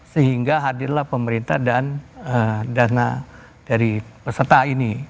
sehingga hadirlah pemerintah dan dana dari peserta ini